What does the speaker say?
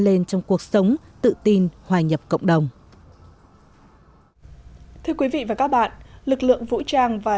lên trong cuộc sống tự tin hòa nhập cộng đồng thưa quý vị và các bạn lực lượng vũ trang và